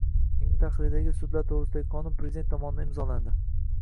Yangi tahrirdagi “Sudlar to‘g‘risida”gi qonun Prezident tomonidan imzolandi